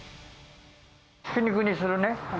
ひき肉にするね。